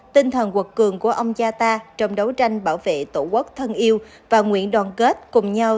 tinh thần quật cường của ông cha ta trong đấu tranh bảo vệ tổ quốc thân yêu và nguyện đoàn kết cùng nhau